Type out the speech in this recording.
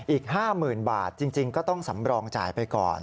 อีก๕๐๐๐บาทจริงก็ต้องสำรองจ่ายไปก่อน